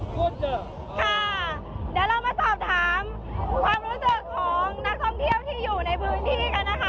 ค่ะเดี๋ยวเรามาสอบถามความรู้สึกของนักท่องเที่ยวที่อยู่ในพื้นที่กันนะคะ